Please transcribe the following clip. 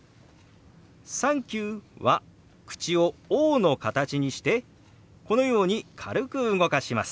「サンキュー」は口を「オー」の形にしてこのように軽く動かします。